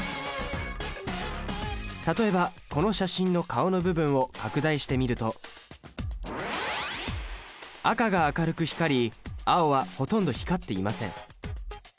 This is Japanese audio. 例えばこの写真の顔の部分を拡大してみると赤が明るく光り青はほとんど光っていません。